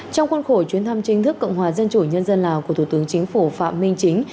trong khuôn khổ chuyến thăm chính thức cộng hòa dân chủ nhân dân lào của thủ tướng chính phủ phạm minh chính